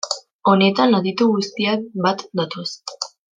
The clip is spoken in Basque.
Honetan aditu guztiak bat datoz.